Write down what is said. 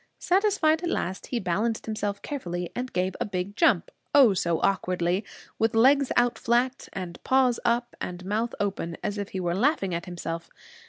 Satisfied at last, he balanced himself carefully and gave a big jump Oh, so awkwardly! with legs out flat, and paws up, and mouth open as if he were laughing at himself.